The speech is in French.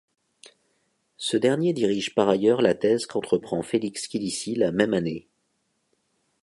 Ce dernier dirige par ailleurs la thèse qu’entreprend Félix Quilici la même année.